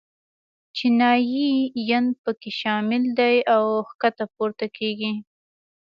چینایي ین په کې شامل دي او ښکته پورته کېږي.